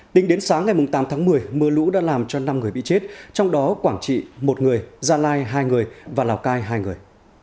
tính đến sáng ngày tám tháng một mươi mưa lũ đã làm cho năm người bị chết trong đó quảng trị một người gia lai hai người và lào cai hai người